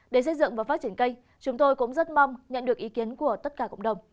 để xây dựng và phát triển cây chúng tôi cũng rất mong nhận được ý kiến của tất cả cộng đồng